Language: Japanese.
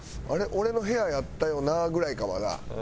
俺の部屋やったよな？」ぐらいかまだ。